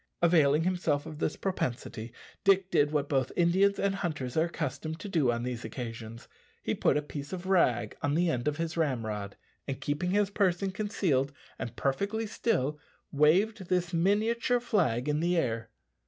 Availing himself of this propensity, Dick did what both Indians and hunters are accustomed to do on these occasions he put a piece of rag on the end of his ramrod, and keeping his person concealed and perfectly still, waved this miniature flag in the air.